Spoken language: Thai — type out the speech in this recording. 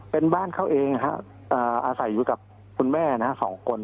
เป็นบ้านเขาเองอาศัยอยู่กับคุณแม่นะ๒คน